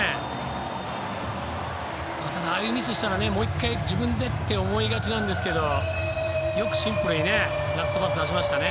ただ、ああいうミスしたらもう１回自分でと思いがちですけどよくシンプルにラストパス出しましたね